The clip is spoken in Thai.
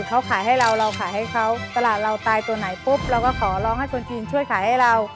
เขาขายให้เราเราขายให้เขาตลาดเราตายตัวไหนปุ๊บเราก็ขอร้องให้คนจีนช่วยขายให้เรา